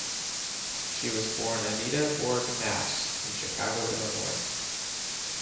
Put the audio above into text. She was born Anita Borg Naffz in Chicago, Illinois.